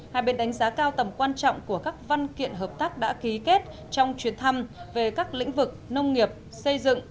hai bên đánh giá cao tầm quan trọng của các văn kiện hợp tác đã ký kết trong chuyến thăm về các lĩnh vực nông nghiệp xây dựng